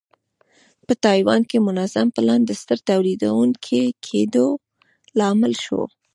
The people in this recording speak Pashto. په تایوان کې منظم پلان د ستر تولیدوونکي کېدو لامل شو.